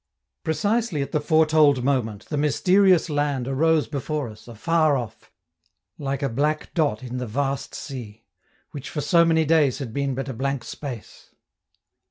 Precisely at the foretold moment the mysterious land arose before us, afar off, like a black dot in the vast sea, which for so many days had been but a blank space.